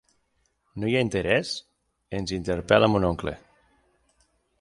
¿No hi ha interès?, ens interpel·la mon oncle.